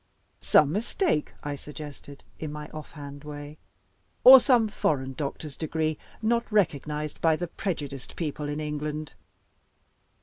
"Some mistake," I suggested, in my off hand way. "Or some foreign doctor's degree not recognized by the prejudiced people in England."